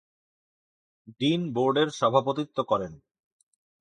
Dean বোর্ডের সভাপতিত্ব করেন।